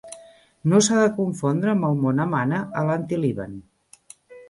No s'ha de confondre amb el mont Amana a l'Antilíban.